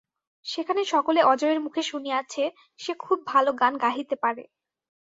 সেখানে সকলে অজয়ের মুখে শুনিয়াছে সে খুব ভালো গান গাহিতে পারে।